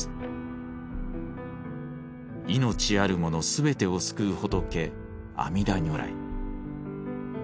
命あるもの全てを救う仏阿彌陀如来。